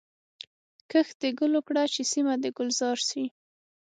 کښت د ګلو کړه چي سیمه دي ګلزار سي